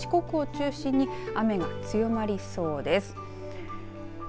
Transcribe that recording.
このあとも九州や四国を中心に雨が強まりそうです。